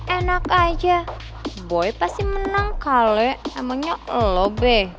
enak aja boy pasti menang kale emangnya elo be